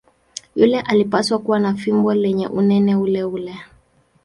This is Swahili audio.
Yule alipaswa kuwa na fimbo lenye unene uleule.